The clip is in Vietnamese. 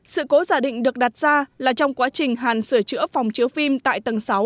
sự cố giả định được đặt ra là trong quá trình hàn sửa chữa phòng chiếu phim tại tầng sáu